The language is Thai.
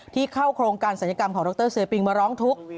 เข้าโครงการศัลยกรรมของดรเซปิงมาร้องทุกข์